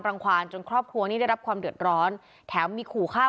ความจนครอบครัวนี้ได้รับความเดือดร้อนแถมมีขู่ฆ่า